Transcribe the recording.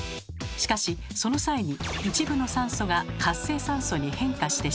しかしその際に一部の酸素が活性酸素に変化してしまいます。